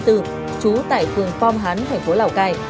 trú tại phường phong hán thành phố lào cai